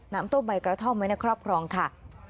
น้ำต้มใบกระท่อมไว้ในครอบครองค่ะ